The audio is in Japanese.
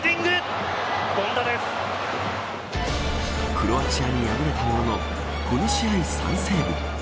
クロアチアに敗れたもののこの試合３セーブ。